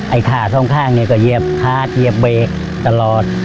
ไอ้ขาดตรงข้างเนี่ยก็เยียบพาร์ทเยียบเบรกตลอด